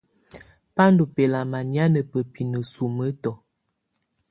Bá ndɔ́ bɛ́lamá nɛ̀á ná bǝ́pinǝ sumǝ́tɔ̀.